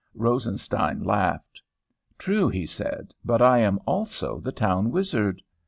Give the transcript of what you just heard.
"Rosenstein laughed. 'True,' he said. 'But I am also the town wizard.'